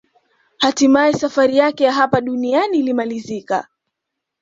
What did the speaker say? Hatimaye safari yake ya hapa duniani ilimalizika